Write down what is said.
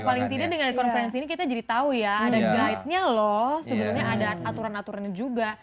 paling tidak dengan konferensi ini kita jadi tahu ya ada guide nya loh sebenarnya ada aturan aturannya juga